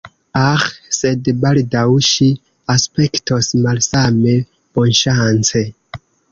Aĥ, sed baldaŭ ŝi aspektos malsame, bonŝance!